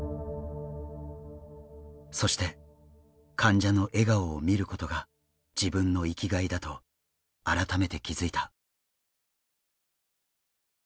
そして患者の笑顔を見ることが自分の生きがいだと改めて気付いた。